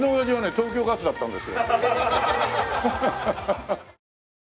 東京ガスだったんですよ。